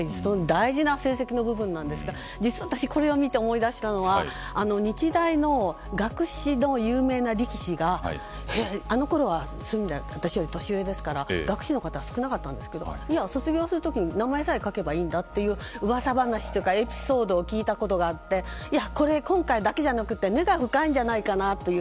大事な成績の部分なんですが実は私これを見て思い出したのは日大の学士の有名な力士があのころは私より年上ですから学士の方は少なかったんですが卒業する時に名前さえ書けばいいんだっていう噂話というかエピソードを聞いたことがあって今回だけじゃなくて根が深いんじゃないかという。